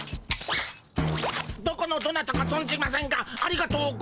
どこのどなたかぞんじませんがありがとうゴンざいます。